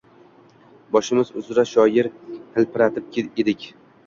Boshimiz uzra shior hilpiratib edik.